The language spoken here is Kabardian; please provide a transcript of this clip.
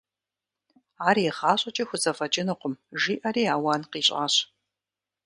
Ар игъащӏэкӏи хузэфӏэкӏынукъым, – жиӏэри ауан къищӏащ.